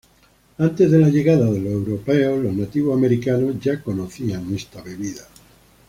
Antes de la llegada de los europeos los nativos americanos ya conocían esta bebida.